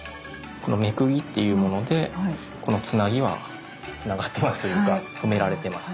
この目釘っていうものでこのつなぎはつながってますというか留められてます。